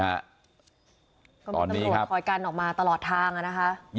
ตอนนี้ครับคุณพุทธิพัฒนีตำรวจคอยกันออกมาตลอดทางนะฮะ